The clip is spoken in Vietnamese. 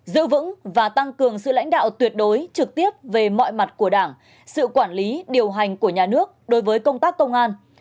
giữ vững và tăng cường sự lãnh đạo tuyệt đối trực tiếp về mọi mặt của đảng sự quản lý điều hành của nhà nước đối với công tác công an